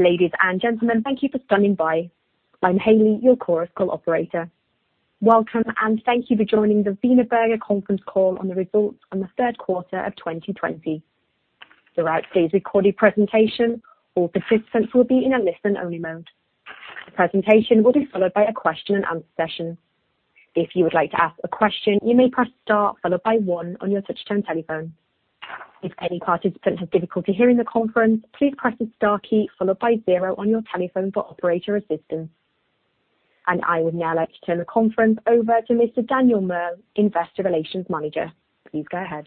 Ladies and gentlemen, thank you for standing by. I'm Hailey, your Chorus Call operator. Welcome, thank you for joining the Wienerberger conference call on the results on the third quarter of 2020. Throughout today's recorded presentation, all participants will be in a listen-only mode. The presentation will be followed by a question and answer session. If you would like to ask a question, you may press star followed by one on your touchtone telephone. If any participants have difficulty hearing the conference, please press the star key followed by zero on your telephone for operator assistance. I would now like to turn the conference over to Mr. Daniel Merl, Investor Relations Manager. Please go ahead.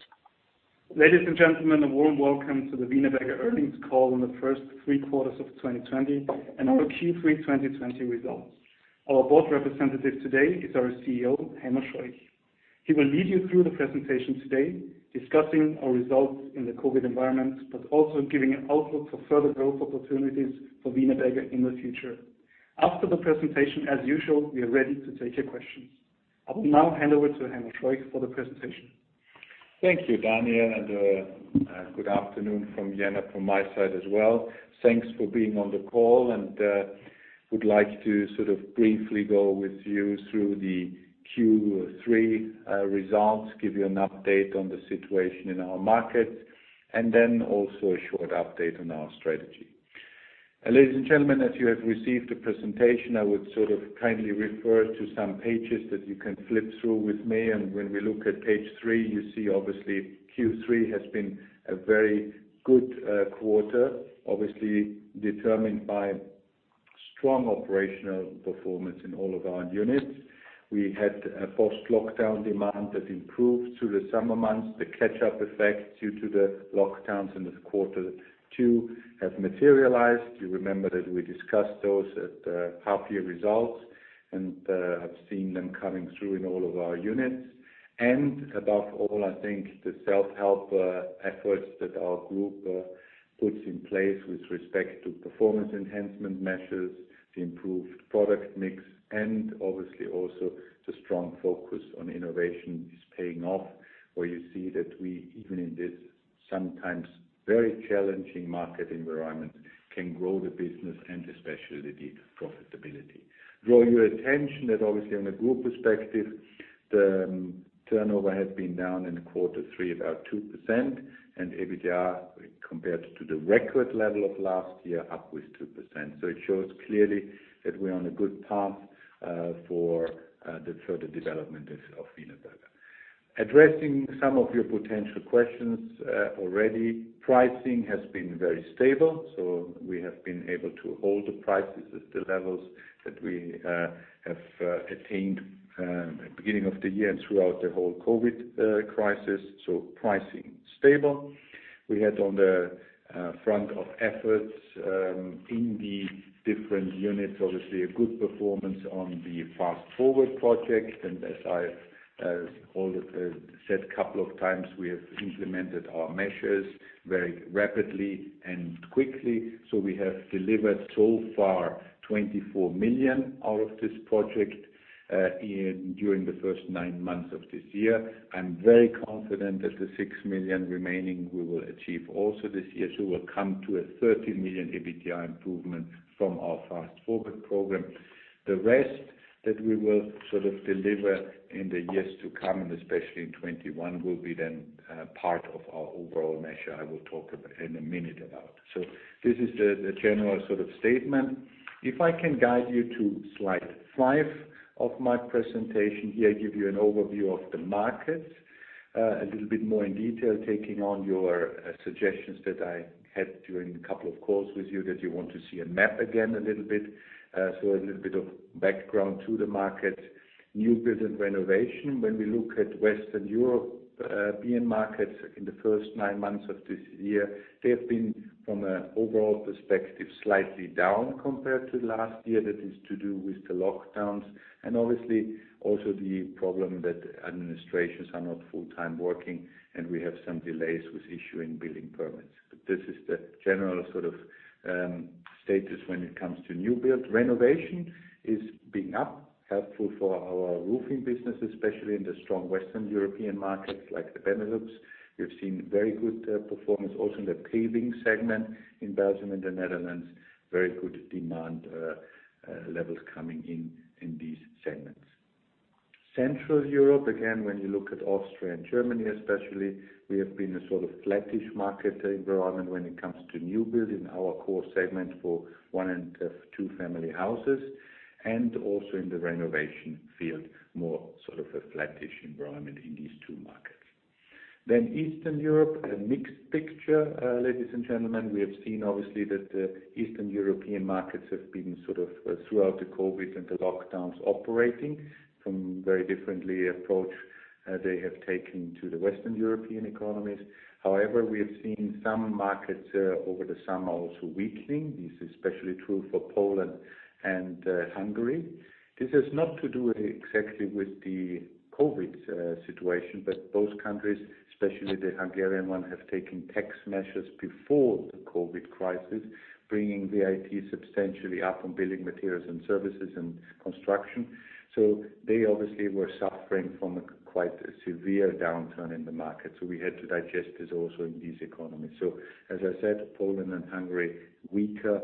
Ladies and gentlemen, a warm welcome to the Wienerberger earnings call on the first three quarters of 2020 and our Q3 2020 results. Our board representative today is our CEO, Heimo Scheuch. He will lead you through the presentation today, discussing our results in the COVID environment, but also giving an outlook for further growth opportunities for Wienerberger in the future. After the presentation, as usual, we are ready to take your questions. I will now hand over to Heimo Scheuch for the presentation. Thank you, Daniel, and good afternoon from Vienna from my side as well. Thanks for being on the call, and would like to briefly go with you through the Q3 results, give you an update on the situation in our markets, and then also a short update on our strategy. Ladies and gentlemen, as you have received the presentation, I would kindly refer to some pages that you can flip through with me. When we look at page three, you see, obviously, Q3 has been a very good quarter, obviously determined by strong operational performance in all of our units. We had a post-lockdown demand that improved through the summer months. The catch-up effect due to the lockdowns in the quarter two have materialized. You remember that we discussed those at the half-year results and have seen them coming through in all of our units. Above all, I think the self-help efforts that our group puts in place with respect to performance enhancement measures, the improved product mix, and obviously also the strong focus on innovation is paying off, where you see that we, even in this sometimes very challenging market environment, can grow the business and especially the profitability. Draw your attention that obviously on a group perspective, the turnover had been down in quarter three about 2%, and EBITDA compared to the record level of last year, up with 2%. It shows clearly that we're on a good path for the further development of Wienerberger. Addressing some of your potential questions already, pricing has been very stable, so we have been able to hold the prices at the levels that we have attained beginning of the year and throughout the whole COVID crisis, so pricing stable. We had on the front of efforts in the different units, obviously, a good performance on the Fast Forward project. As I said a couple of times, we have implemented our measures very rapidly and quickly. We have delivered so far 24 million out of this project during the first nine months of this year. I'm very confident that the 6 million remaining we will achieve also this year, so we will come to a 30 million EBITDA improvement from our Fast Forward program. The rest that we will deliver in the years to come, and especially in 2021, will be then part of our overall measure I will talk in a minute about. This is the general statement. If I can guide you to slide five of my presentation here, give you an overview of the markets, a little bit more in detail, taking on your suggestions that I had during a couple of calls with you that you want to see a map again a little bit. A little bit of background to the market. New build and renovation. When we look at Western European markets in the first nine months of this year, they have been, from an overall perspective, slightly down compared to last year. That is to do with the lockdowns and obviously also the problem that administrations are not full-time working, and we have some delays with issuing building permits. This is the general status when it comes to new build. Renovation is being up, helpful for our roofing business, especially in the strong Western European markets like the Benelux. We've seen very good performance also in the paving segment in Belgium and the Netherlands. Very good demand levels coming in these segments. Central Europe, again, when you look at Austria and Germany especially, we have been a flattish market environment when it comes to new build in our core segment for one and two-family houses, and also in the renovation field, more a flattish environment in these two markets. Eastern Europe, a mixed picture, ladies and gentlemen. We have seen, obviously, that the Eastern European markets have been, throughout the COVID and the lockdowns, operating from a very different approach they have taken to the Western European economies. We have seen some markets over the summer also weakening. This is especially true for Poland and Hungary. This has not to do exactly with the COVID situation, but both countries, especially the Hungarian one, have taken tax measures before the COVID crisis, bringing VAT substantially up on building materials and services and construction. They obviously were suffering from a quite severe downturn in the market. We had to digest this also in these economies. As I said, Poland and Hungary, weaker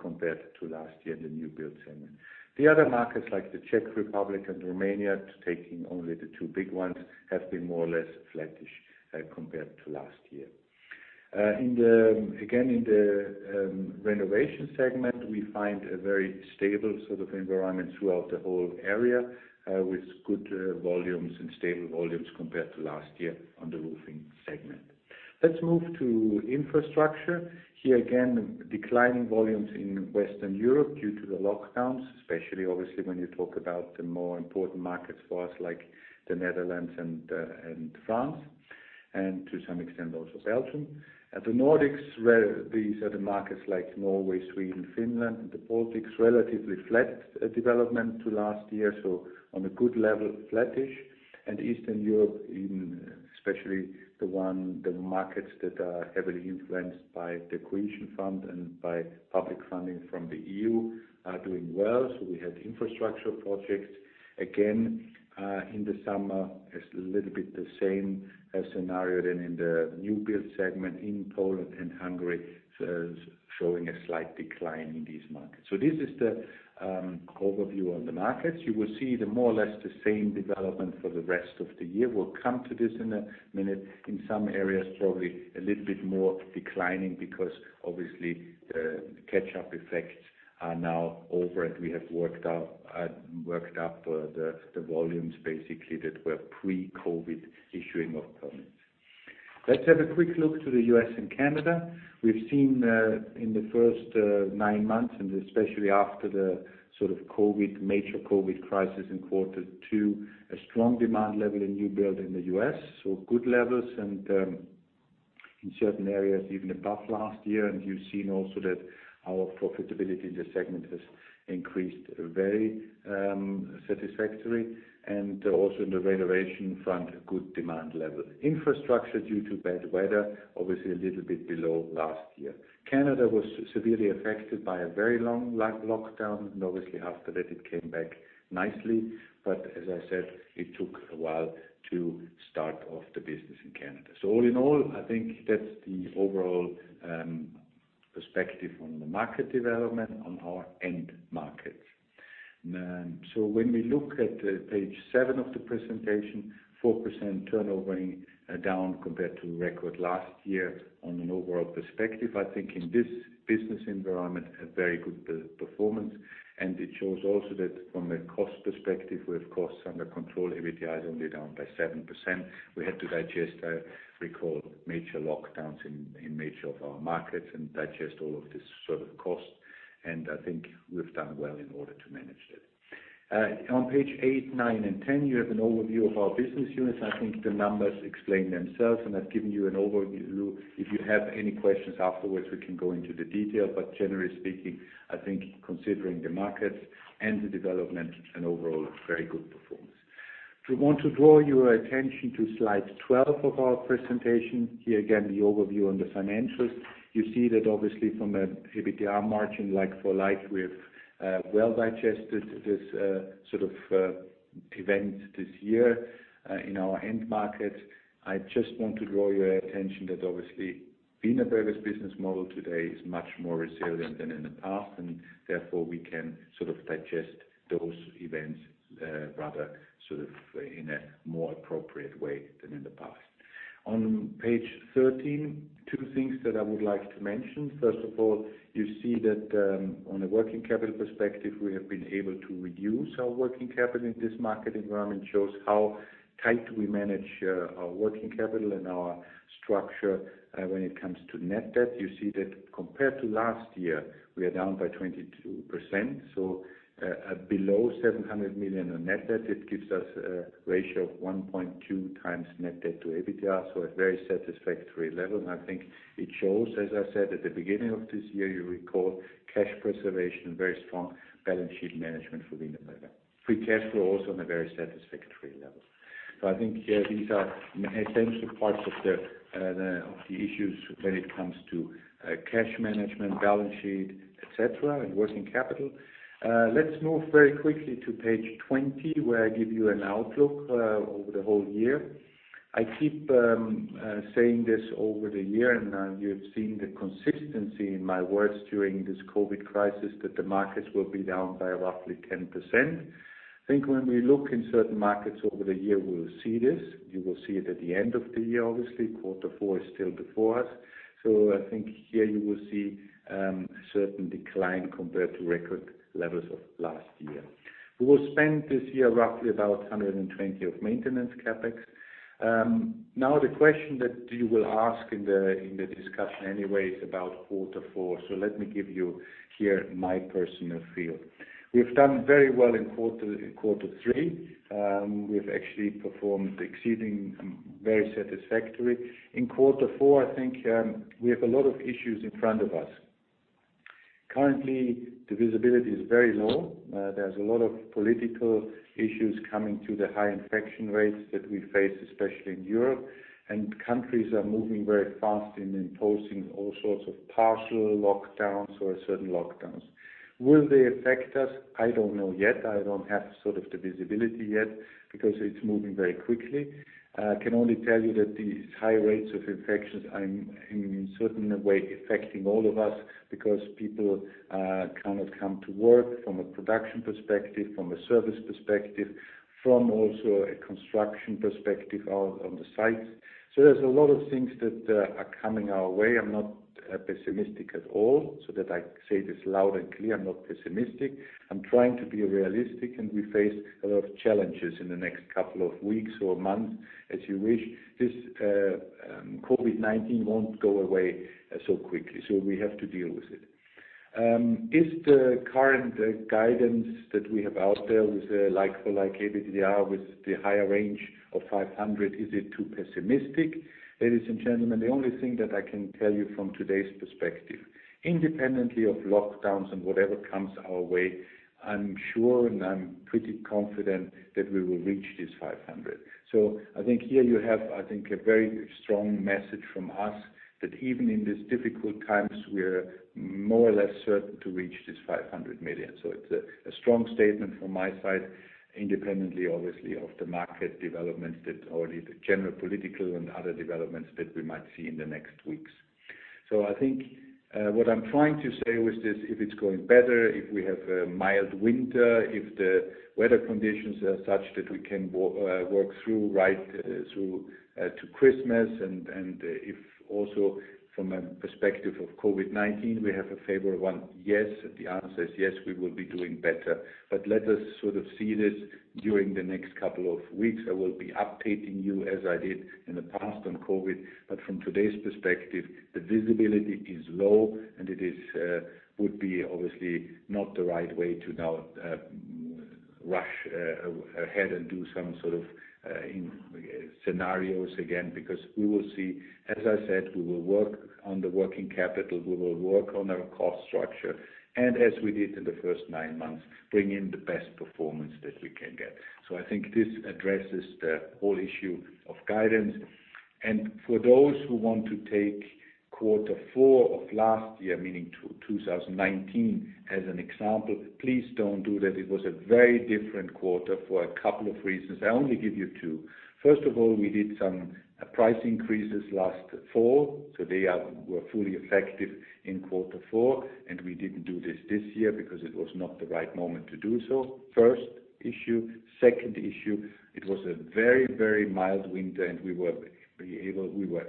compared to last year in the new build segment. The other markets like the Czech Republic and Romania, taking only the two big ones, have been more or less flattish compared to last year. Again, in the renovation segment, we find a very stable environment throughout the whole area, with good volumes and stable volumes compared to last year on the roofing segment. Let's move to infrastructure. Here again, declining volumes in Western Europe due to the lockdowns, especially obviously when you talk about the more important markets for us, like the Netherlands and France, and to some extent also Belgium. At the Nordics, these are the markets like Norway, Sweden, Finland, and the Baltics, relatively flat development to last year, so on a good level, flattish. Eastern Europe, especially the markets that are heavily influenced by the Cohesion Fund and by public funding from the EU, are doing well. We had infrastructure projects again in the summer. It's a little bit the same scenario then in the new build segment in Poland and Hungary, showing a slight decline in these markets. This is the overview on the markets. You will see more or less the same development for the rest of the year. We'll come to this in a minute. In some areas, probably a little bit more declining because obviously the catch-up effects are now over, and we have worked up the volumes basically that were pre-COVID issuing of permits. Let's have a quick look to the U.S. and Canada. We've seen in the first nine months, and especially after the major COVID crisis in quarter two, a strong demand level in new build in the U.S., so good levels and in certain areas, even above last year. You've seen also that our profitability in this segment has increased very satisfactorily, and also in the renovation front, good demand level. Infrastructure due to bad weather, obviously a little bit below last year. Canada was severely affected by a very long lockdown, and obviously after that it came back nicely. As I said, it took a while to start off the business in Canada. All in all, I think that's the overall perspective on the market development on our end markets. When we look at page seven of the presentation, 4% turnover down compared to record last year. On an overall perspective, I think in this business environment, a very good performance. It shows also that from a cost perspective, we have costs under control. EBITDA is only down by 7%. We had to digest, I recall, major lockdowns in major of our markets and digest all of this sort of cost. I think we've done well in order to manage that. On page eight, nine, and 10, you have an overview of our business units. I think the numbers explain themselves, and I've given you an overview. If you have any questions afterwards, we can go into the detail. Generally speaking, I think considering the markets and the development and overall, very good performance. We want to draw your attention to slide 12 of our presentation. Here again, the overview on the financials. You see that obviously from an EBITDA margin like for like, we have well digested this sort of event this year in our end market. I just want to draw your attention that obviously Wienerberger's business model today is much more resilient than in the past, and therefore we can sort of digest those events rather in a more appropriate way than in the past. On page 13, two things that I would like to mention. You see that on a working capital perspective, we have been able to reduce our working capital in this market environment, shows how tight we manage our working capital and our structure when it comes to net debt. You see that compared to last year, we are down by 22%, so below 700 million on net debt. It gives us a ratio of 1.2x net debt to EBITDA, so a very satisfactory level. I think it shows, as I said at the beginning of this year, you recall cash preservation, very strong balance sheet management for Wienerberger. Free cash flow also on a very satisfactory level. I think these are essential parts of the issues when it comes to cash management, balance sheet, et cetera, and working capital. Let's move very quickly to page 20, where I give you an outlook over the whole year. I keep saying this over the year, and you have seen the consistency in my words during this COVID crisis that the markets will be down by roughly 10%. I think when we look in certain markets over the year, we will see this. You will see it at the end of the year, obviously. Quarter four is still before us. I think here you will see a certain decline compared to record levels of last year. We will spend this year roughly about 120 million of maintenance CapEx. Now, the question that you will ask in the discussion anyway is about quarter four. Let me give you here my personal feel. We've done very well in quarter three. We've actually performed exceeding, very satisfactory. In quarter four, I think we have a lot of issues in front of us. Currently, the visibility is very low. There's a lot of political issues coming to the high infection rates that we face, especially in Europe, and countries are moving very fast in imposing all sorts of partial lockdowns or certain lockdowns. Will they affect us? I don't know yet. I don't have the visibility yet because it's moving very quickly. I can only tell you that these high rates of infections are in a certain way affecting all of us because people cannot come to work from a production perspective, from a service perspective, from also a construction perspective out on the sites. There's a lot of things that are coming our way. I'm not pessimistic at all. That I say this loud and clear, I'm not pessimistic. I'm trying to be realistic, and we face a lot of challenges in the next couple of weeks or months, as you wish. This COVID-19 won't go away so quickly. We have to deal with it. Is the current guidance that we have out there with a like-for-like EBITDA with the higher range of 500 million, is it too pessimistic? Ladies and gentlemen, the only thing that I can tell you from today's perspective, independently of lockdowns and whatever comes our way, I'm sure and I'm pretty confident that we will reach this 500 million. I think here you have a very strong message from us, that even in these difficult times, we're more or less certain to reach this 500 million. It's a strong statement from my side, independently, obviously, of the market developments that, or the general political and other developments that we might see in the next weeks. I think what I'm trying to say with this, if it's going better, if we have a mild winter, if the weather conditions are such that we can work through right to Christmas, and if also from a perspective of COVID-19, we have a favorable one, yes. The answer is yes, we will be doing better. Let us sort of see this during the next couple of weeks. I will be updating you as I did in the past on COVID, but from today's perspective, the visibility is low, and it would be obviously not the right way to now rush ahead and do some sort of scenarios again, because we will see. As I said, we will work on the working capital, we will work on our cost structure. As we did in the first nine months, bring in the best performance that we can get. I think this addresses the whole issue of guidance. For those who want to take quarter four of last year, meaning 2019, as an example, please don't do that. It was a very different quarter for a couple of reasons. I only give you two. First of all, we did some price increases last fall. They were fully effective in quarter four. We didn't do this this year because it was not the right moment to do so. First issue. Second issue, it was a very, very mild winter, and we were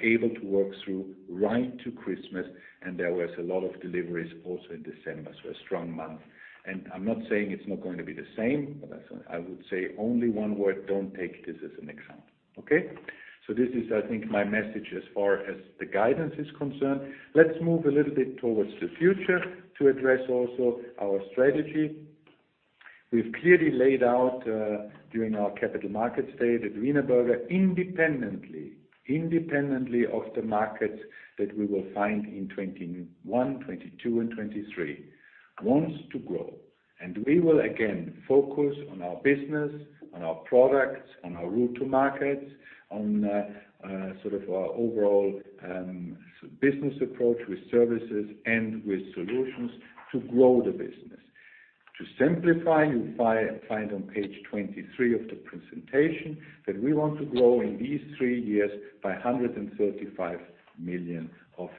able to work through right to Christmas, and there was a lot of deliveries also in December, so a strong month. I'm not saying it's not going to be the same, but I would say only one word, don't take this as an example. Okay. This is, I think, my message as far as the guidance is concerned. Let's move a little bit towards the future to address also our strategy. We've clearly laid out during our capital market stage at Wienerberger, independently of the markets that we will find in 2021, 2022, and 2023, wants to grow. We will again focus on our business, on our products, on our route to markets, on sort of our overall business approach with services and with solutions to grow the business. To simplify, you find on page 23 of the presentation that we want to grow in these three years by 135 million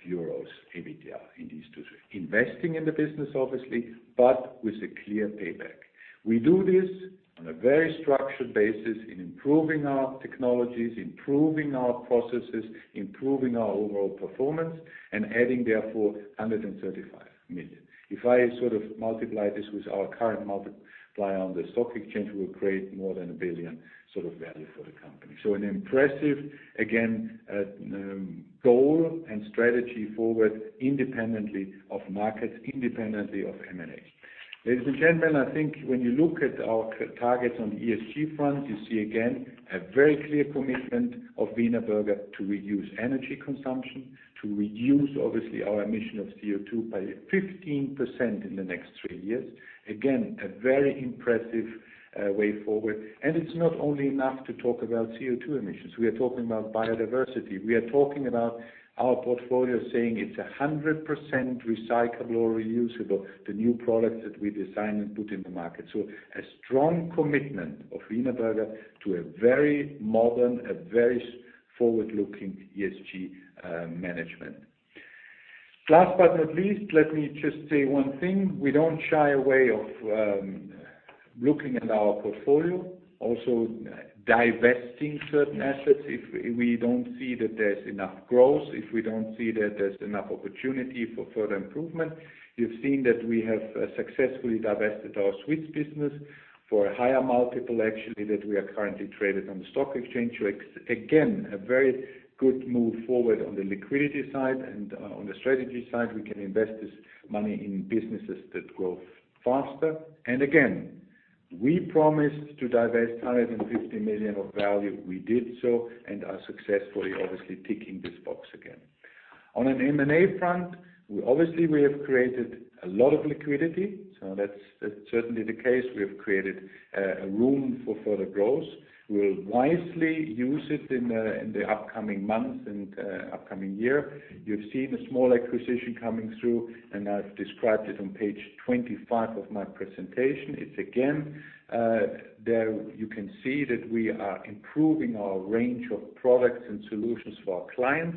euros EBITDA in these two. Investing in the business, obviously, with a clear payback. We do this on a very structured basis in improving our technologies, improving our processes, improving our overall performance, and adding, therefore, 135 million. If I sort of multiply this with our current multiply on the stock exchange, we will create more than 1 billion sort of value for the company. An impressive, again, goal and strategy forward independently of markets, independently of M&A. Ladies and gentlemen, I think when you look at our targets on the ESG front, you see again a very clear commitment of Wienerberger to reduce energy consumption, to reduce, obviously, our emission of CO2 by 15% in the next three years. Again, a very impressive way forward. It's not only enough to talk about CO2 emissions. We are talking about biodiversity. We are talking about our portfolio saying it's 100% recyclable or reusable, the new products that we design and put in the market. A strong commitment of Wienerberger to a very modern, a very forward-looking ESG management. Last but not least, let me just say one thing. We don't shy away of looking at our portfolio, also divesting certain assets if we don't see that there's enough growth, if we don't see that there's enough opportunity for further improvement. You've seen that we have successfully divested our Swiss business for a higher multiple, actually, that we are currently traded on the stock exchange. Again, a very good move forward on the liquidity side and on the strategy side. We can invest this money in businesses that grow faster. Again, we promised to divest 150 million of value. We did so and are successfully, obviously, ticking this box again. On an M&A front, obviously, we have created a lot of liquidity, that's certainly the case. We have created room for further growth. We'll wisely use it in the upcoming months and upcoming year. You've seen a small acquisition coming through, I've described it on page 25 of my presentation. It's again, there you can see that we are improving our range of products and solutions for our clients.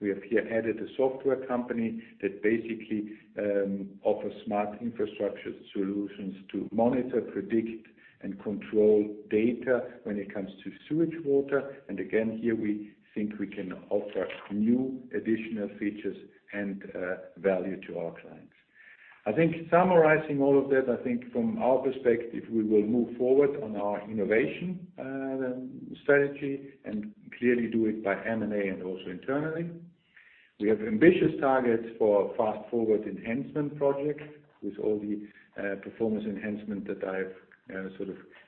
We have here added a software company that basically offers smart infrastructure solutions to monitor, predict, and control data when it comes to sewage water. Again, here we think we can offer new additional features and value to our clients. I think summarizing all of that, I think from our perspective, we will move forward on our innovation strategy and clearly do it by M&A and also internally. We have ambitious targets for Fast Forward enhancement projects with all the performance enhancement that I've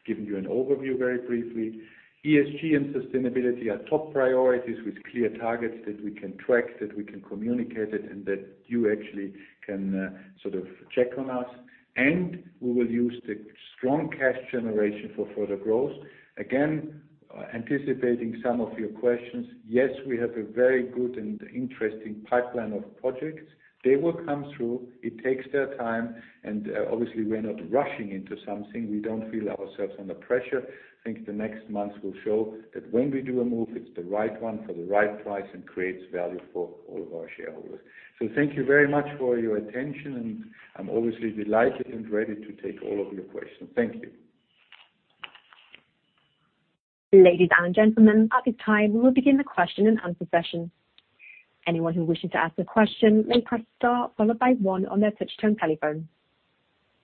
given you an overview very briefly. ESG and sustainability are top priorities with clear targets that we can track, that we can communicate it, and that you actually can check on us. We will use the strong cash generation for further growth. Again, anticipating some of your questions, yes, we have a very good and interesting pipeline of projects. They will come through. It takes their time, and obviously we're not rushing into something. We don't feel ourselves under pressure. I think the next months will show that when we do a move, it's the right one for the right price and creates value for all of our shareholders. Thank you very much for your attention, and I'm obviously delighted and ready to take all of your questions. Thank you. Ladies and gentlemen at this time we would like to begin the question and answersession. Anyone who wishes to ask a question may press star followed by one on their touchtone phone.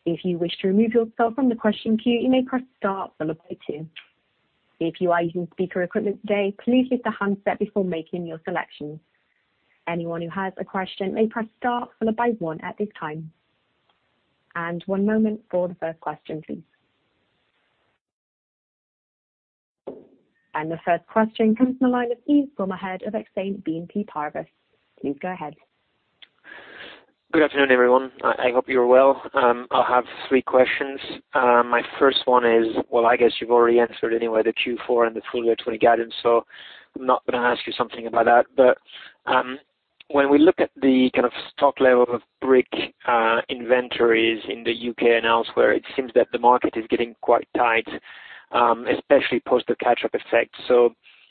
If you wish to remove yourself from the question queue, you may press star followed by two. If you are using speakerphone, please pick up the handset before making your selection. Anyone who has a question may press star followed by one at any time. And one moment for our questions, please. The first question comes from the line of Yves Bromehead, of Exane BNP Paribas. Please go ahead. Good afternoon, everyone. I hope you are well. I have three questions. My first one is, well, I guess you've already answered anyway, the Q4 and the full-year 20 guidance. I'm not going to ask you something about that. When we look at the stock level of brick inventories in the U.K. and elsewhere, it seems that the market is getting quite tight, especially post the catch-up effect.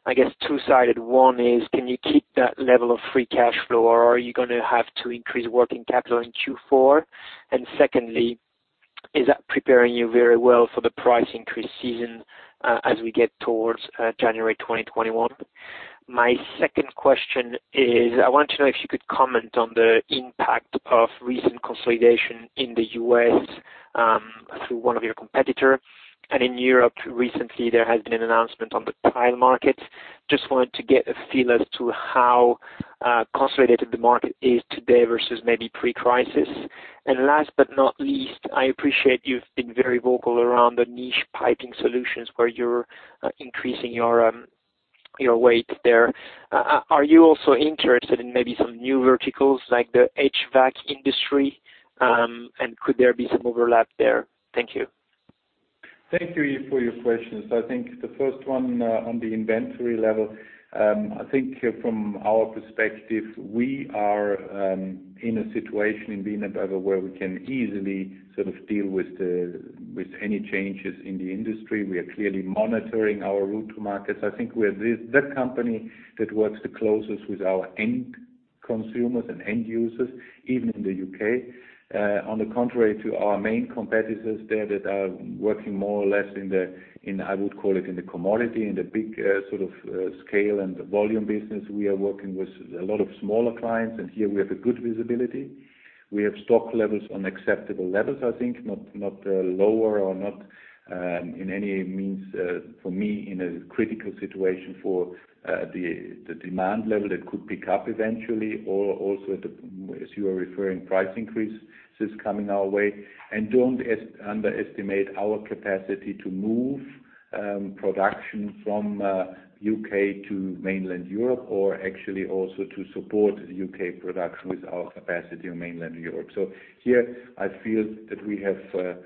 I guess two-sided. One is, can you keep that level of free cash flow, or are you going to have to increase working capital in Q4? Secondly, is that preparing you very well for the price increase season as we get towards January 2021? My second question is I want to know if you could comment on the impact of recent consolidation in the U.S. through one of your competitor. In Europe, recently there has been an announcement on the tile market. Just wanted to get a feel as to how consolidated the market is today versus maybe pre-crisis. Last but not least, I appreciate you've been very vocal around the niche piping solutions where you're increasing your weight there. Are you also interested in maybe some new verticals like the HVAC industry? Could there be some overlap there? Thank you. Thank you, Yves, for your questions. I think the first one on the inventory level, I think from our perspective, we are in a situation in Wienerberger where we can easily deal with any changes in the industry. We are clearly monitoring our route to markets. I think we're the company that works the closest with our end consumers and end users, even in the U.K. On the contrary to our main competitors there that are working more or less in the, I would call it in the commodity, in the big scale and the volume business. We are working with a lot of smaller clients, here we have a good visibility. We have stock levels on acceptable levels, I think, not lower or not in any means for me in a critical situation for the demand level that could pick up eventually or also as you are referring, price increases coming our way. Don't underestimate our capacity to move production from U.K. to mainland Europe, or actually also to support U.K. production with our capacity in mainland Europe. Here I feel that we have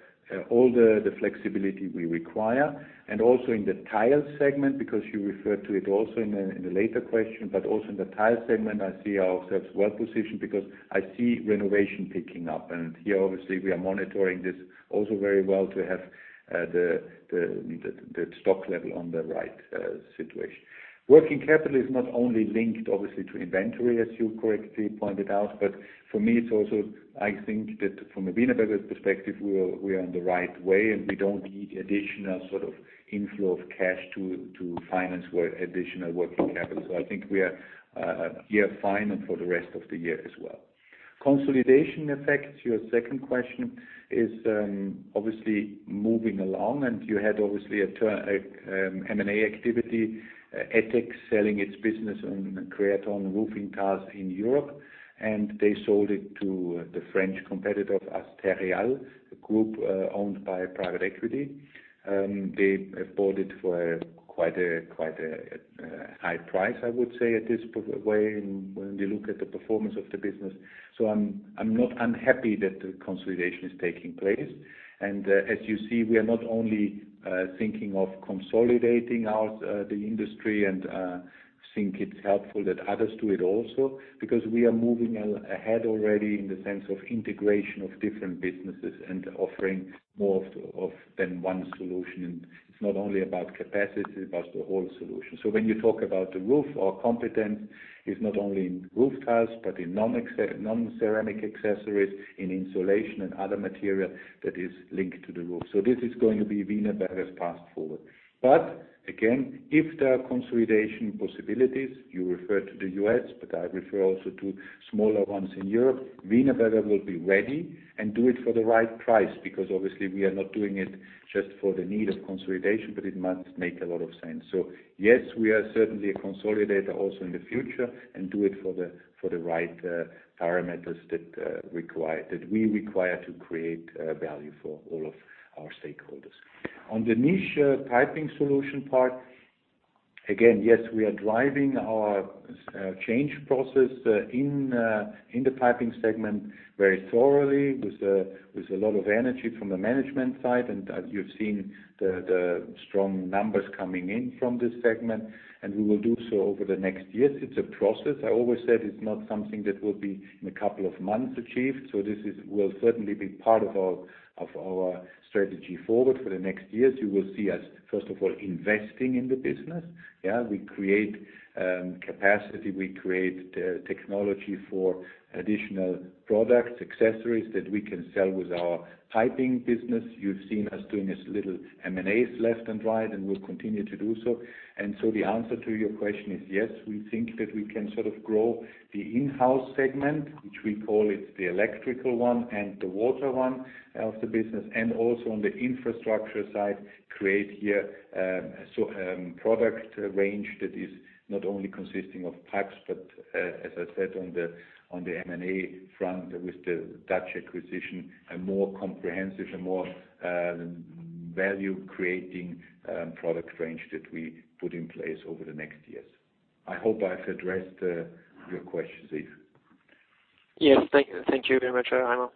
all the flexibility we require. Also in the tile segment, because you referred to it also in the later question, but also in the tile segment, I see ourselves well-positioned because I see renovation picking up. Here, obviously, we are monitoring this also very well to have the stock level on the right situation. Working capital is not only linked obviously to inventory, as you correctly pointed out, but for me, it's also, I think that from a Wienerberger perspective, we are on the right way and we don't need additional inflow of cash to finance additional working capital. I think we are here fine and for the rest of the year as well. Consolidation effects, your second question, is obviously moving along and you had, obviously, a M&A activity, Etex selling its business on Creaton roofing tiles in Europe, and they sold it to the French competitor of Terreal, a group owned by private equity. They bought it for quite a high price, I would say, at this way when we look at the performance of the business. I'm not unhappy that the consolidation is taking place. As you see, we are not only thinking of consolidating the industry and think it's helpful that others do it also, because we are moving ahead already in the sense of integration of different businesses and offering more than one solution. It's not only about capacity, it's about the whole solution. When you talk about the roof, our competence is not only in roof tiles, but in non-ceramic accessories, in insulation and other material that is linked to the roof. This is going to be Wienerberger's path forward. Again, if there are consolidation possibilities, you refer to the U.S., but I refer also to smaller ones in Europe. Wienerberger will be ready and do it for the right price, because obviously we are not doing it just for the need of consolidation, but it must make a lot of sense. Yes, we are certainly a consolidator also in the future and do it for the right parameters that we require to create value for all of our stakeholders. On the niche piping solution part. Again, yes, we are driving our change process in the piping segment very thoroughly with a lot of energy from the management side. As you've seen the strong numbers coming in from this segment, and we will do so over the next years. It's a process. I always said it's not something that will be in a couple of months achieved. This will certainly be part of our strategy forward for the next years. You will see us, first of all, investing in the business. We create capacity, we create technology for additional products, accessories that we can sell with our piping business. You've seen us doing these little M&A left and right, and we'll continue to do so. The answer to your question is, yes, we think that we can sort of grow the in-house segment, which we call it the electrical one and the water one of the business. Also on the infrastructure side, create here product range that is not only consisting of pipes, but as I said on the M&A front with the Dutch acquisition, a more comprehensive, a more value-creating product range that we put in place over the next years. I hope I've addressed your question, Yves. Yes. Thank you very much, Heimo.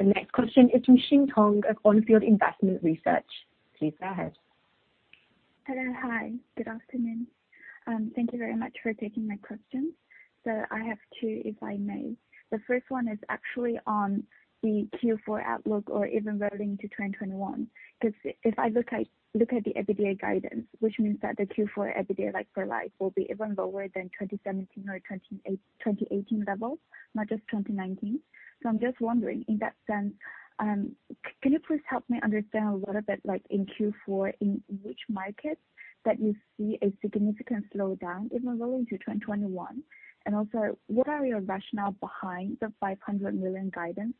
The next question is from Xintong of On Field Investment Research. Please go ahead. Hello. Hi, good afternoon. Thank you very much for taking my questions. I have two, if I may. The first one is actually on the Q4 outlook or even rolling to 2021. If I look at the EBITDA guidance, which means that the Q4 EBITDA like-for-like will be even lower than 2017 or 2018 levels, not just 2019. I'm just wondering in that sense, can you please help me understand a little bit like in Q4, in which markets that you see a significant slowdown even rolling to 2021? Also, what are your rationale behind the 500 million guidance?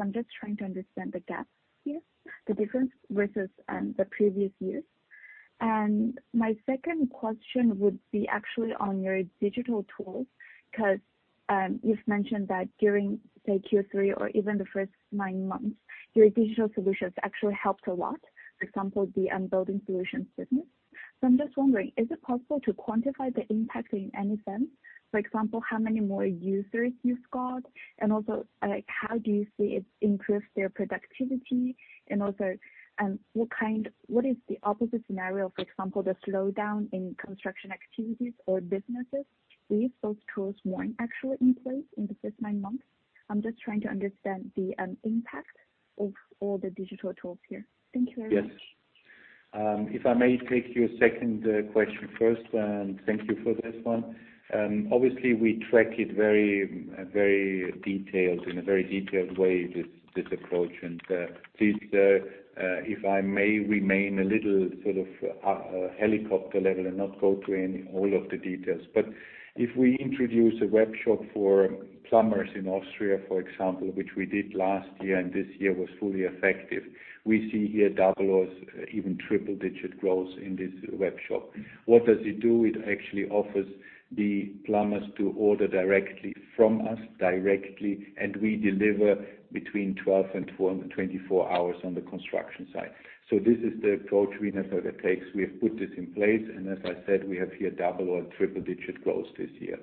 I'm just trying to understand the gaps here, the difference versus the previous years. My second question would be actually on your digital tools. You've mentioned that during, say Q3 or even the first nine months, your digital solutions actually helped a lot. For example, the Wienerberger Building Solutions business. I'm just wondering, is it possible to quantify the impact in any sense? For example, how many more users you've got? How do you see it improves their productivity? What is the opposite scenario, for example, the slowdown in construction activities or businesses if those tools weren't actually in place in the first nine months? I'm just trying to understand the impact of all the digital tools here. Thank you very much. Yes. If I may take your second question first, thank you for this one. Obviously we track it in a very detailed way, this approach. If I may remain a little sort of helicopter level and not go through all of the details, but if we introduce a webshop for plumbers in Austria, for example, which we did last year and this year was fully effective. We see here double or even triple digit growth in this webshop. What does it do? It actually offers the plumbers to order directly from us directly, and we deliver between 12 and 24 hours on the construction site. This is the approach Wienerberger takes. We have put this in place and as I said, we have here double or triple digit growth this year.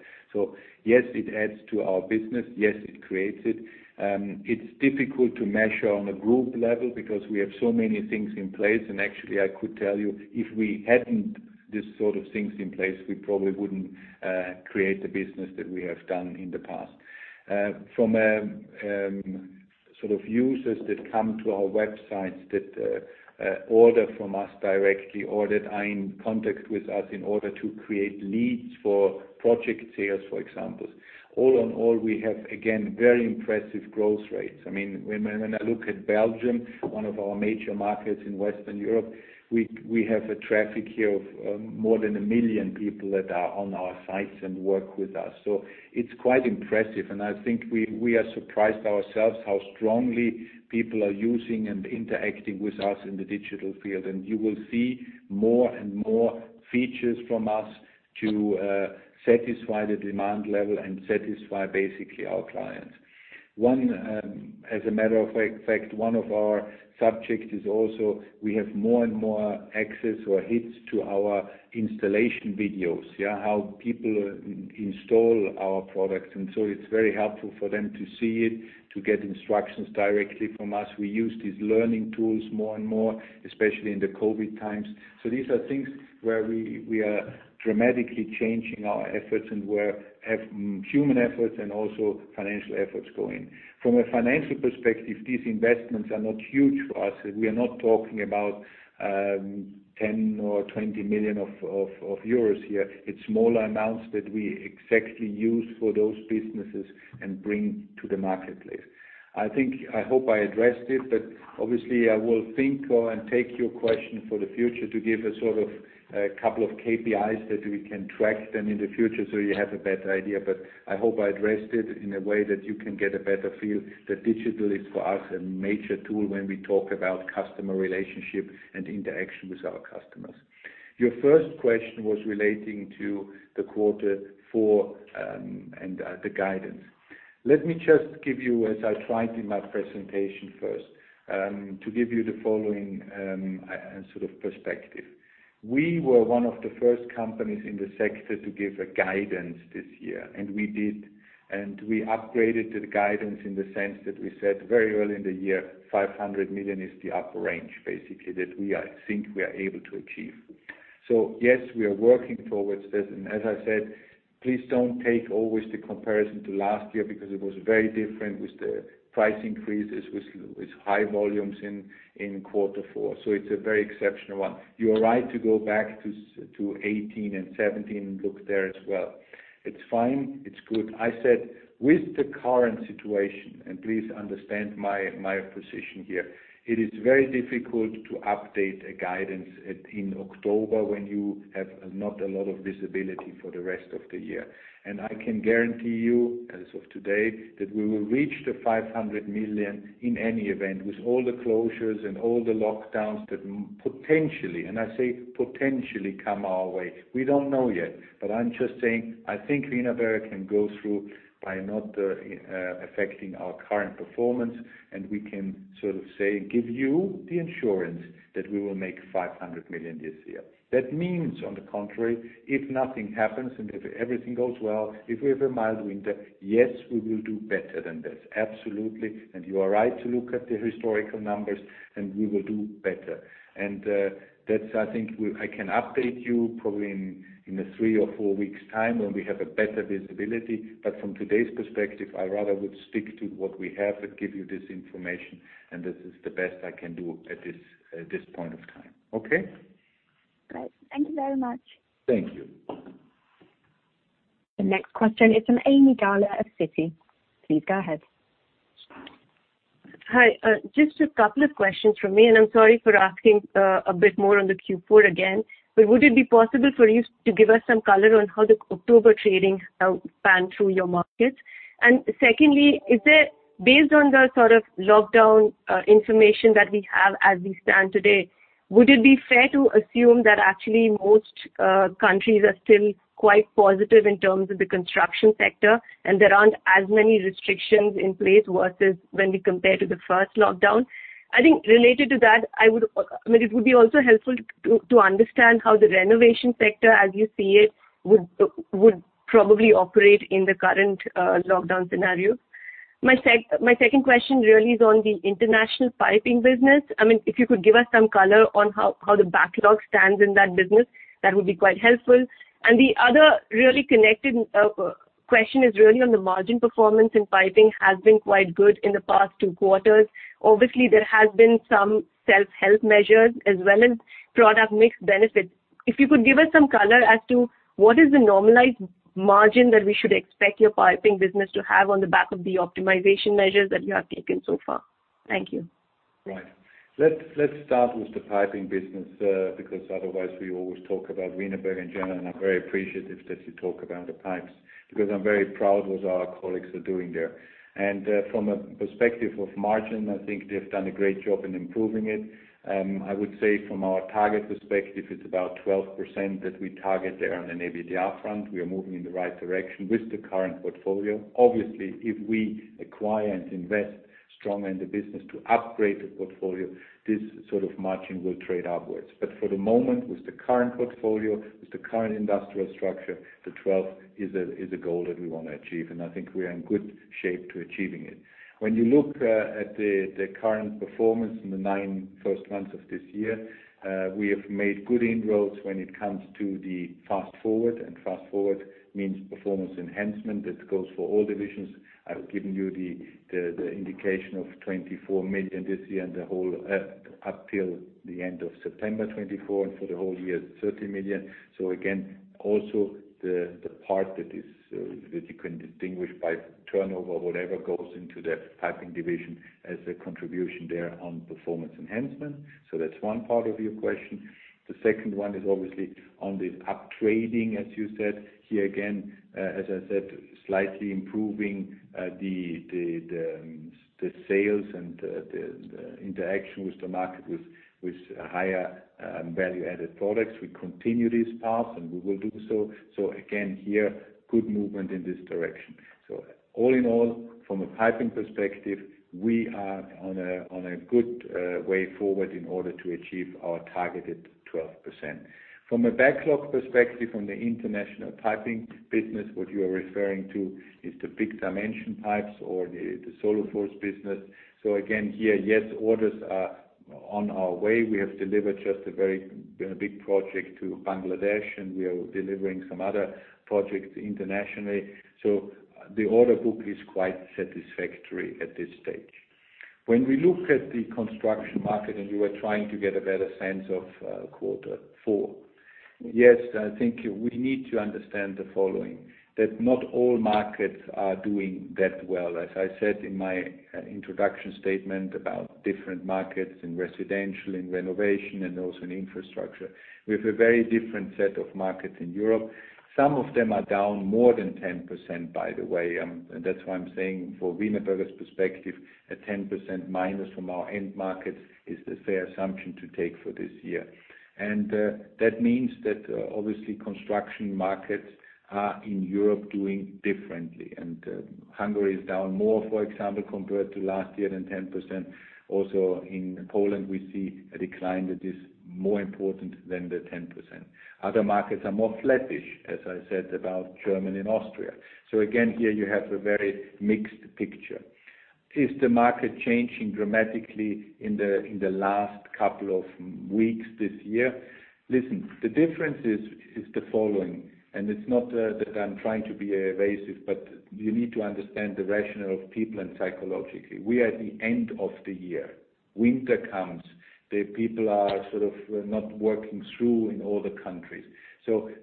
Yes, it adds to our business. Yes, it creates it. It's difficult to measure on a group level because we have so many things in place and actually I could tell you, if we hadn't these sort of things in place, we probably wouldn't create the business that we have done in the past. From sort of users that come to our websites that order from us directly or that are in contact with us in order to create leads for project sales, for example. All in all, we have, again, very impressive growth rates. When I look at Belgium, one of our major markets in Western Europe, we have a traffic here of more than one million people that are on our sites and work with us. It's quite impressive, and I think we are surprised ourselves how strongly people are using and interacting with us in the digital field. You will see more and more features from us to satisfy the demand level and satisfy basically our clients. As a matter of fact, one of our subject is also we have more and more access or hits to our installation videos. How people install our products. It's very helpful for them to see it, to get instructions directly from us. We use these learning tools more and more, especially in the COVID-19 times. These are things where we are dramatically changing our efforts and where human efforts and also financial efforts go in. From a financial perspective, these investments are not huge for us. We are not talking about 10 million or 20 million euros here. It's smaller amounts that we exactly use for those businesses and bring to the marketplace. I hope I addressed it, obviously I will think and take your question for the future to give a sort of a couple of KPIs that we can track then in the future so you have a better idea. I hope I addressed it in a way that you can get a better feel that digital is, for us, a major tool when we talk about customer relationship and interaction with our customers. Your first question was relating to the quarter four and the guidance. Let me just give you, as I tried in my presentation first, to give you the following sort of perspective. We were one of the first companies in the sector to give a guidance this year. We did, and we upgraded the guidance in the sense that we said very early in the year, 500 million is the upper range, basically, that we think we are able to achieve. Yes, we are working towards this, and as I said, please don't take always the comparison to last year because it was very different with the price increases, with high volumes in quarter four. It's a very exceptional one. You are right to go back to 2018 and 2017 and look there as well. It's fine. It's good. I said, with the current situation, and please understand my position here, it is very difficult to update a guidance in October when you have not a lot of visibility for the rest of the year. I can guarantee you, as of today, that we will reach the 500 million in any event with all the closures and all the lockdowns that potentially, and I say potentially come our way. We don't know yet. I'm just saying, I think Wienerberger can go through by not affecting our current performance, and we can sort of say, give you the insurance that we will make 500 million this year. That means, on the contrary, if nothing happens and if everything goes well, if we have a mild winter, yes, we will do better than this. Absolutely. You are right to look at the historical numbers and we will do better. That I think I can update you probably in a three or four weeks' time when we have a better visibility. From today's perspective, I rather would stick to what we have and give you this information, and this is the best I can do at this point of time. Okay. Great. Thank you very much. Thank you. The next question is from Aimee Gallo of Citi. Please go ahead. Hi. Just a couple of questions from me, and I'm sorry for asking a bit more on the Q4 again. Would it be possible for you to give us some color on how the October trading panned through your markets? Secondly, is it based on the sort of lockdown information that we have as we stand today, would it be fair to assume that actually most countries are still quite positive in terms of the construction sector and there aren't as many restrictions in place versus when we compare to the first lockdown? I think related to that, it would be also helpful to understand how the renovation sector, as you see it, would probably operate in the current lockdown scenario. My second question really is on the international piping business. If you could give us some color on how the backlog stands in that business, that would be quite helpful. The other really connected question is really on the margin performance in piping has been quite good in the past two quarters. Obviously, there has been some self-help measures as well as product mix benefits. If you could give us some color as to what is the normalized margin that we should expect your piping business to have on the back of the optimization measures that you have taken so far. Thank you. Right. Let's start with the piping business, because otherwise we always talk about Wienerberger in general, and I'm very appreciative that you talk about the pipes, because I'm very proud what our colleagues are doing there. From a perspective of margin, I think they've done a great job in improving it. I would say from our target perspective, it's about 12% that we target there on an EBITDA front. We are moving in the right direction with the current portfolio. Obviously, if we acquire and invest strong in the business to upgrade the portfolio, this sort of margin will trade upwards. For the moment, with the current portfolio, with the current industrial structure, the 12% is a goal that we want to achieve, and I think we're in good shape to achieving it. When you look at the current performance in the nine first months of this year, we have made good inroads when it comes to the Fast Forward. Fast Forward means performance enhancement. That goes for all divisions. I've given you the indication of 24 million this year and up till the end of September 2020 and for the whole year, 30 million. Again, also the part that you can distinguish by turnover or whatever goes into the piping division as a contribution there on performance enhancement. The second one is obviously on the up trading, as you said. Here again, as I said, slightly improving the sales and the interaction with the market with higher value-added products. We continue this path, and we will do so. Again, here, good movement in this direction. All in all, from a piping perspective, we are on a good way forward in order to achieve our targeted 12%. From a backlog perspective from the international piping business, what you are referring to is the big dimension pipes or the SoluForce business. Again, here, yes, orders are on our way. We have delivered just a very big project to Bangladesh, and we are delivering some other projects internationally. The order book is quite satisfactory at this stage. When we look at the construction market and you were trying to get a better sense of quarter four, yes, I think we need to understand the following, that not all markets are doing that well. As I said in my introduction statement about different markets in residential, in renovation, and also in infrastructure. We have a very different set of markets in Europe. Some of them are down more than 10%, by the way. That's why I'm saying for Wienerberger's perspective, a 10% minus from our end markets is the fair assumption to take for this year. That means that obviously construction markets are in Europe doing differently. Hungary is down more, for example, compared to last year than 10%. Also in Poland, we see a decline that is more important than the 10%. Other markets are more flattish, as I said about Germany and Austria. Again, here you have a very mixed picture. Is the market changing dramatically in the last couple of weeks this year? Listen, the difference is the following, and it's not that I'm trying to be evasive, but you need to understand the rationale of people and psychologically. We are at the end of the year. Winter comes, the people are sort of not working through in all the countries.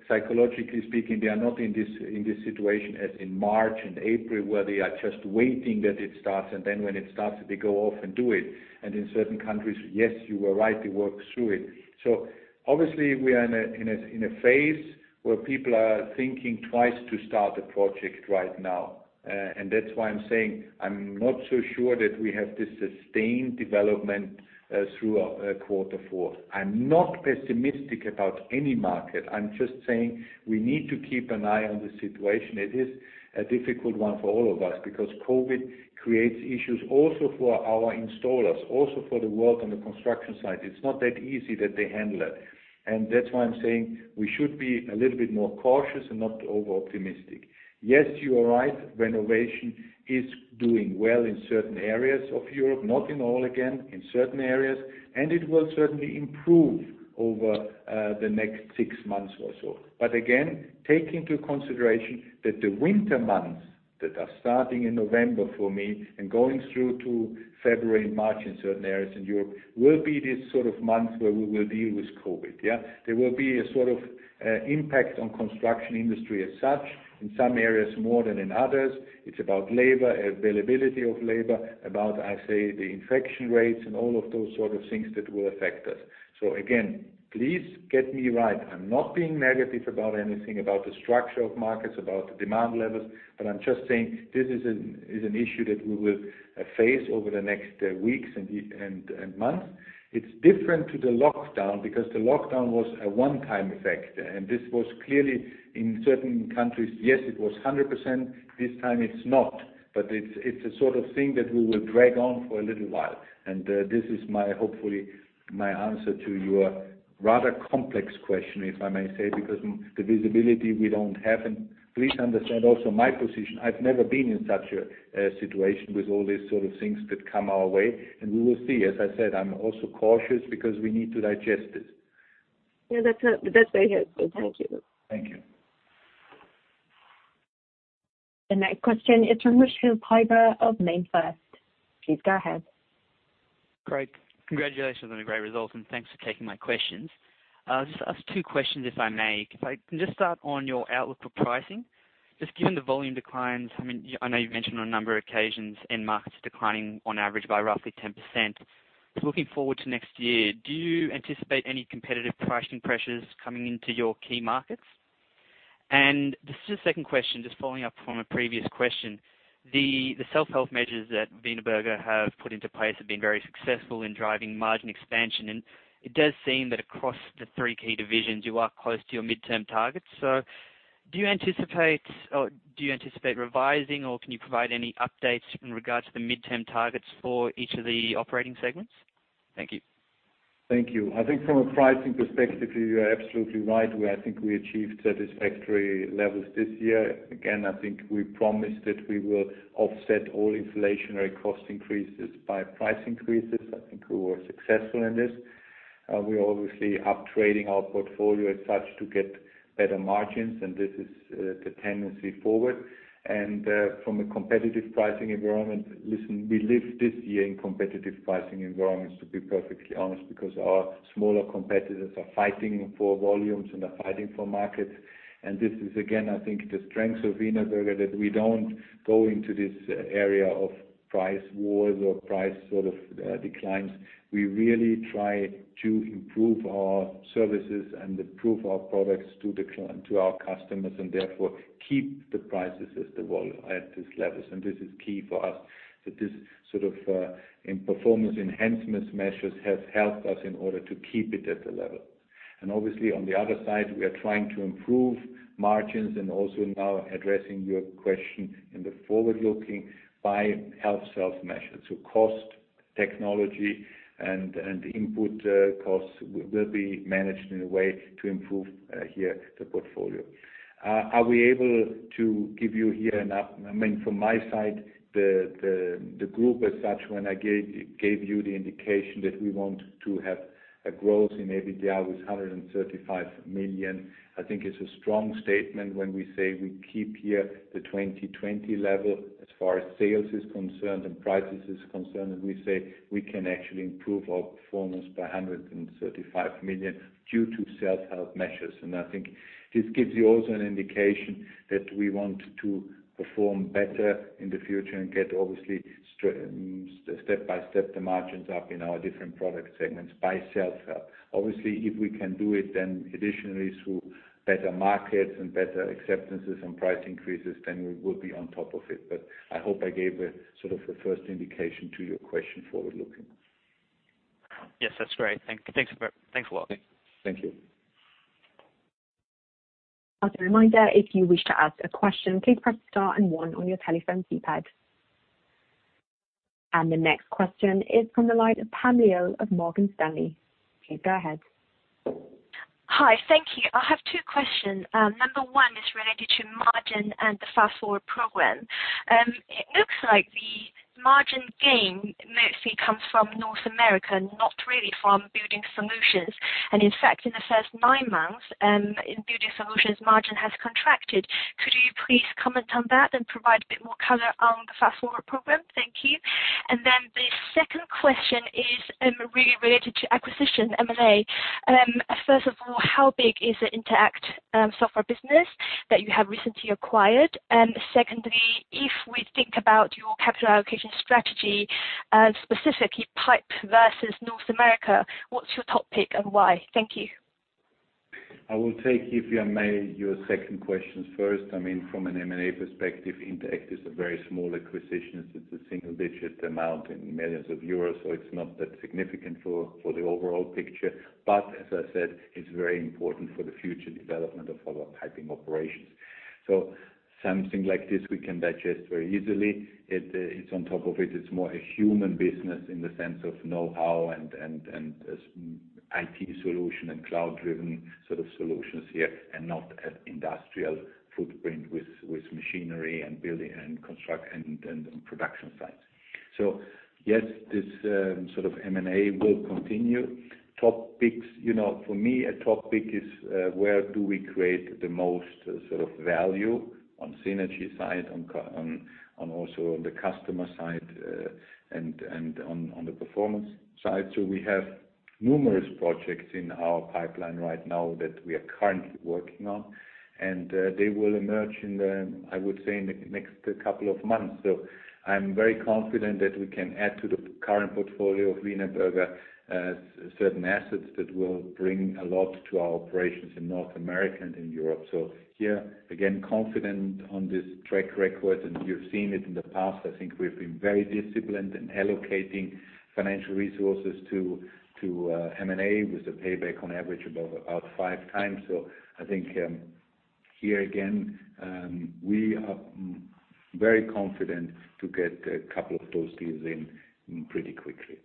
Psychologically speaking, they are not in this situation as in March and April, where they are just waiting that it starts, and then when it starts, they go off and do it. In certain countries, yes, you are right, they work through it. Obviously, we are in a phase where people are thinking twice to start a project right now. That's why I'm saying I'm not so sure that we have this sustained development through quarter four. I'm not pessimistic about any market. I'm just saying we need to keep an eye on the situation. It is a difficult one for all of us because COVID creates issues also for our installers, also for the work on the construction site. It's not that easy that they handle it. That's why I'm saying we should be a little bit more cautious and not over-optimistic. Yes, you are right, renovation is doing well in certain areas of Europe, not in all again, in certain areas, and it will certainly improve over the next six months or so. Again, take into consideration that the winter months that are starting in November for me and going through to February and March in certain areas in Europe will be these sort of months where we will deal with COVID, yeah. There will be a sort of impact on construction industry as such, in some areas more than in others. It's about labor, availability of labor, about, I say, the infection rates and all of those sort of things that will affect us. Again, please get me right. I'm not being negative about anything, about the structure of markets, about the demand levels, but I'm just saying this is an issue that we will face over the next weeks and months. It's different to the lockdown because the lockdown was a one-time effect, and this was clearly in certain countries, yes, it was 100%, this time it's not, but it's a sort of thing that will drag on for a little while. This is hopefully my answer to your rather complex question, if I may say, because the visibility we don't have. Please understand also my position. I've never been in such a situation with all these sort of things that come our way, and we will see. As I said, I'm also cautious because we need to digest this. Yeah. That's very helpful. Thank you. Thank you. The next question is from Rushil Paiber of MainFirst. Please go ahead. Great. Congratulations on the great results, and thanks for taking my questions. I'll just ask two questions, if I may. I can just start on your outlook for pricing. Given the volume declines, I know you've mentioned on a number of occasions end markets declining on average by roughly 10%. Looking forward to next year, do you anticipate any competitive pricing pressures coming into your key markets? This is the second question, just following up from a previous question. The self-help measures that Wienerberger have put into place have been very successful in driving margin expansion, and it does seem that across the three key divisions, you are close to your midterm targets. Do you anticipate revising or can you provide any updates in regards to the midterm targets for each of the operating segments? Thank you. Thank you. I think from a pricing perspective view, you are absolutely right, where I think we achieved satisfactory levels this year. Again, I think we promised that we will offset all inflationary cost increases by price increases. I think we were successful in this. We are obviously up-trading our portfolio as such to get better margins, and this is the tendency forward. From a competitive pricing environment, listen, we lived this year in competitive pricing environments, to be perfectly honest, because our smaller competitors are fighting for volumes and are fighting for markets. This is, again, I think the strengths of Wienerberger, that we do not go into this area of price wars or price sort of declines. We really try to improve our services and improve our products to our customers and therefore keep the prices as they were at these levels. This is key for us, that this sort of performance enhancement measures has helped us in order to keep it at the level. Obviously on the other side, we are trying to improve margins and also now addressing your question in the forward-looking by help self-measures. Cost, technology, and input costs will be managed in a way to improve here the portfolio. Are we able to give you here? I mean, from my side, the group as such, when I gave you the indication that we want to have a growth in EBITDA with 135 million, I think it's a strong statement when we say we keep here the 2020 level as far as sales is concerned and prices is concerned, and we say we can actually improve our performance by 135 million due to self-help measures. I think this gives you also an indication that we want to perform better in the future and get obviously, step by step, the margins up in our different product segments by self-help. Obviously, if we can do it then additionally through better markets and better acceptances and price increases, then we will be on top of it. I hope I gave a sort of a first indication to your question forward-looking. Yes, that's great. Thanks a lot. Thank you. As a reminder, if you wish to ask a question, please press star and one on your telephone keypad. The next question is from the line of Pam Leo of Morgan Stanley. Please go ahead. Hi. Thank you. I have two questions. Number one is related to margin and the Fast Forward program. It looks like the margin gain mostly comes from North America, not really from Building Solutions. In fact, in the first nine months, in Building Solutions, margin has contracted. Could you please comment on that and provide a bit more color on the Fast Forward program? Thank you. Then the second question is really related to acquisition, M&A. First of all, how big is the Inter Act software business that you have recently acquired? Secondly, if we think about your capital allocation strategy, specifically pipe versus North America, what's your top pick and why? Thank you. I will take, if you may, your second question first. From an M&A perspective, Inter Act is a very small acquisition. It's a single-digit amount in millions of euros, so it's not that significant for the overall picture. As I said, it's very important for the future development of our piping operations. Something like this, we can digest very easily. It's on top of it's more a human business in the sense of know-how and IT solution and cloud-driven sort of solutions here, and not an industrial footprint with machinery and building and construct and production sites. Yes, this sort of M&A will continue. Top picks, for me, a top pick is where do we create the most value on synergy side, and also on the customer side and on the performance side. We have numerous projects in our pipeline right now that we are currently working on, and they will emerge in the, I would say, in the next couple of months. I'm very confident that we can add to the current portfolio of Wienerberger certain assets that will bring a lot to our operations in North America and in Europe. Here, again, confident on this track record, and you've seen it in the past. I think we've been very disciplined in allocating financial resources to M&A with a payback on average of about 5x. I think here again, we are very confident to get a couple of those deals in pretty quickly.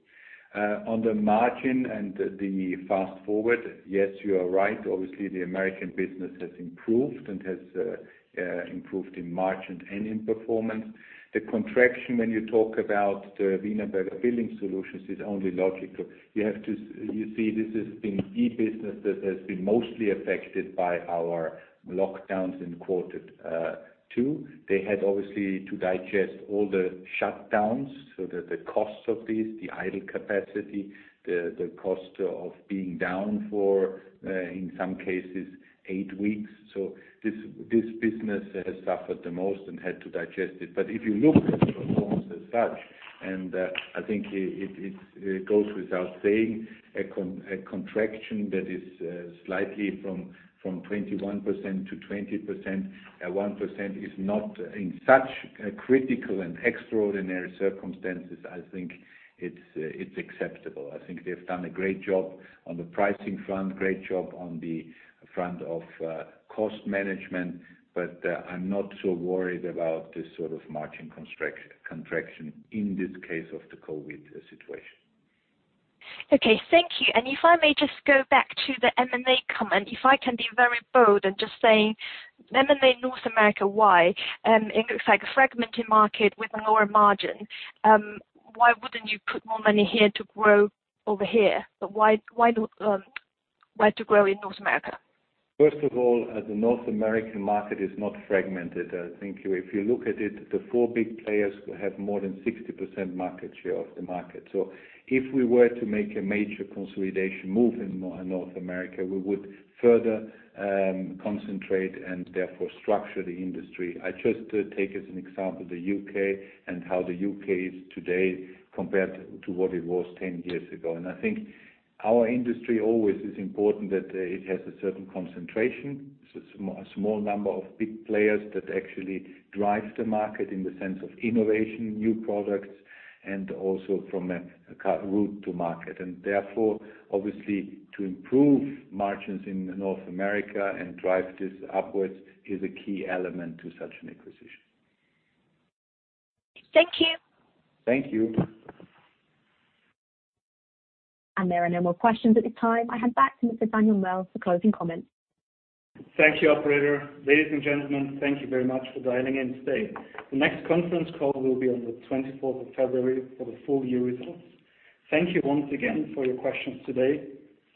On the margin and the Fast Forward, yes, you are right. Obviously, the American business has improved and has improved in margin and in performance. The contraction, when you talk about the Wienerberger Building Solutions, is only logical. You see this has been the business that has been mostly affected by our lockdowns in quarter two. They had obviously to digest all the shutdowns, so the cost of this, the idle capacity, the cost of being down for, in some cases, eight weeks. This business has suffered the most and had to digest it. If you look at the performance as such, and I think it goes without saying, a contraction that is slightly from 21%-20%, 1% is not in such critical and extraordinary circumstances. I think it's acceptable. I think they've done a great job on the pricing front, great job on the front of cost management, but I'm not so worried about this sort of margin contraction in this case of the COVID situation. Okay. Thank you. If I may just go back to the M&A comment, if I can be very bold and just saying, M&A North America, why? It looks like a fragmented market with a lower margin. Why wouldn't you put more money here to grow over here? Why to grow in North America? First of all, the North American market is not fragmented. I think if you look at it, the four big players have more than 60% market share of the market. If we were to make a major consolidation move in North America, we would further concentrate and therefore structure the industry. I just take as an example, the U.K. and how the U.K. is today compared to what it was 10 years ago. I think our industry always is important that it has a certain concentration. A small number of big players that actually drive the market in the sense of innovation, new products, and also from a route to market. Therefore, obviously, to improve margins in North America and drive this upwards is a key element to such an acquisition. Thank you. Thank you. There are no more questions at this time. I hand back to Mr. Daniel Merl for closing comments. Thank you, operator. Ladies and gentlemen, thank you very much for dialing in today. The next conference call will be on the February 24th for the full year results. Thank you once again for your questions today.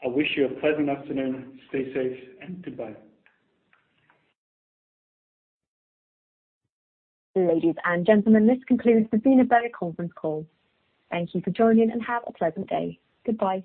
I wish you a pleasant afternoon. Stay safe and goodbye. Ladies and gentlemen, this concludes the Wienerberger conference call. Thank you for joining and have a pleasant day. Goodbye.